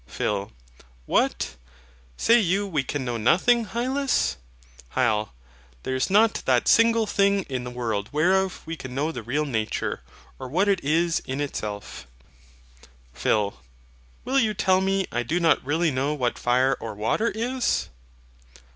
PHIL. What! Say you we can know nothing, Hylas? HYL. There is not that single thing in the world whereof we can know the real nature, or what it is in itself. PHIL. Will you tell me I do not really know what fire or water is?